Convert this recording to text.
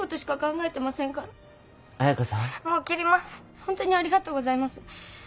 ホントにありがとうございます。